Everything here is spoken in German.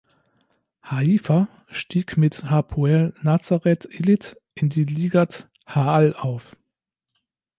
Haifa stieg mit Hapoel Nazareth Illit in die Ligat ha’Al auf.